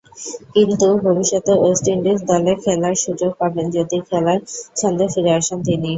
কিন্তু ভবিষ্যতে West Indies দলে খেলার সুযোগ পাবেন যদি খেলার ছন্দে ফিরে আসেন তিনি।'